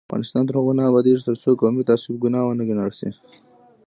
افغانستان تر هغو نه ابادیږي، ترڅو قومي تعصب ګناه ونه ګڼل شي.